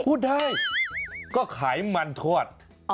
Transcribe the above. พูดได้ก็ขายมันทอด